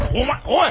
おい！